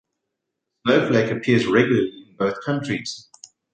The snowflake appears regularly in both countries.